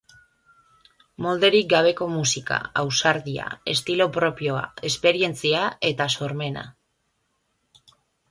Molderik gabeko musika, ausardia, estilo propioa, esperientzia eta sormena.